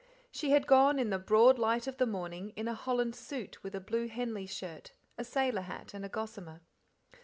She had gone, in the broad light of the morning, in a holland suit with a blue Henley shirt, a sailor hat, and a gossamer.